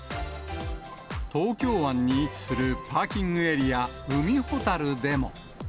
東京湾に位置するパーキングエリア、海ほたるでも。